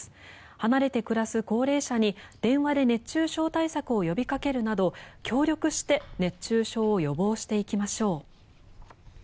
離れて暮らす高齢者に電話で熱中症対策を呼びかけるなど協力して熱中症を予防していきましょう。